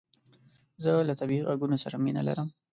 زه له طبیعي عږونو سره مینه لرم